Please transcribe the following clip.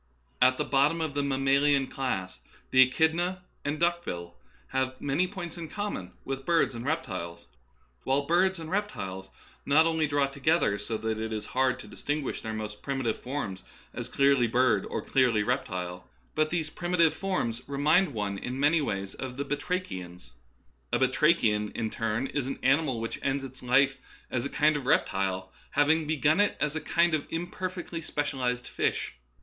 At the bottom of the mammalian class, the echidna and duck bill have many points in common with birds and reptiles ; while birds and reptiles not only draw together so that it is hard to distinguish their most primitive forms as clearly bird or clearly reptile, but these Darwinism Verified. 23 primitive forms remind one in many ways of the batrachians. A batracbian, in turn, is an animal which ends its life as a kind of reptile after hav ing begun it as a kind of imperfectly specialized fish.